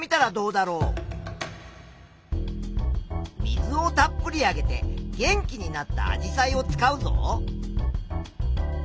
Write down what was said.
水をたっぷりあげて元気になったアジサイを使うぞ。